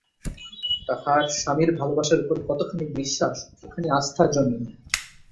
তাহার স্বামীর ভালোবাসার উপর কতখানি বিশ্বাস, কতখানি আস্থা জন্মিল!